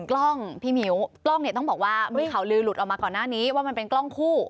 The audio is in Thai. กล้องพี่มิ้วกล้องเนี่ยต้องบอกว่ามีข่าวลือหลุดออกมาก่อนหน้านี้ว่ามันเป็นกล้องคู่